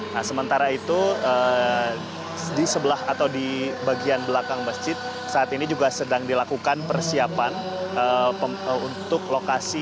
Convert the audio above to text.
nah sementara itu di sebelah atau di bagian belakang masjid saat ini juga sedang dilakukan persiapan untuk lokasi